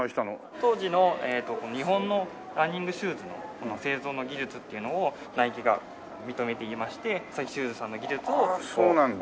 当時の日本のランニングシューズの製造の技術っていうのをナイキが認めていましてアサヒシューズさんの技術をお願いして。